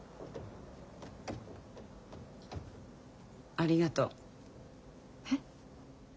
ありがとう。え？